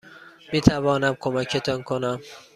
میتوانم کمکتان کنم؟